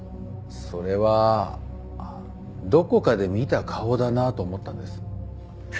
それはどこかで見た顔だなと思ったんです。